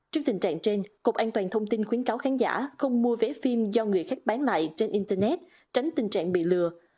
trước tình trạng trên cục an toàn thông tin khuyến cáo khán giả không mua vé phim do người khác bán lại trên internet tránh tình trạng bị lừa